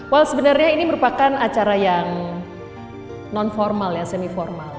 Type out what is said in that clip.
well sebenarnya ini merupakan acara yang non formal ya semi formal